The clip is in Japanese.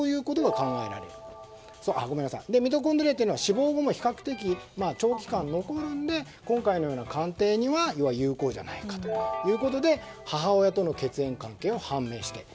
ミトコンドリアは死亡後も比較的長期間残るので今回のような鑑定には有効じゃないかということで母親との血縁関係は判明している。